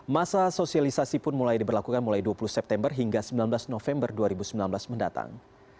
masa sosialisasi pun mulai diberlakukan mulai dua puluh september hingga sembilan belas november dua ribu sembilan belas mendatang